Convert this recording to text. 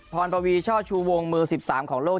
ปวีช่อชูวงมือ๑๓ของโลก